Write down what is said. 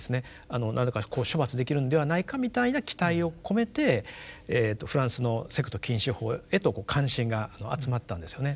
何らかの処罰できるんではないかみたいな期待を込めてフランスのセクト禁止法へとこう関心が集まったんですよね。